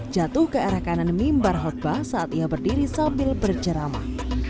jatuh ke arah kanan mimbar hotbah saat ia berdiri sambil berceramah